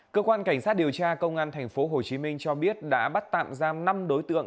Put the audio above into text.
cơ quan cảnh sát điều tra công an tp hcm cho biết đã bắt tạm giam năm đối tượng